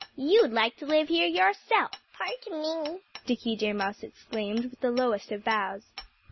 You'd like to live here yourself." "Pardon me!" Dickie Deer Mouse exclaimed with the lowest of bows.